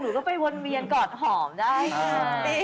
หนูก็ไปวนเวียนก่อนหอมได้ค่ะ